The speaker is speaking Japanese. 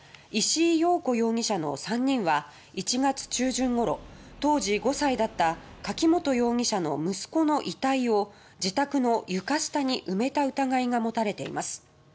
石井陽子容疑者の３人は１月中旬ごろ、当時５歳だった柿本容疑者の息子の遺体を自宅の床下に埋めた疑いが持たれています。